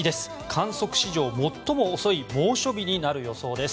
観測史上最も遅い猛暑日になる予想です。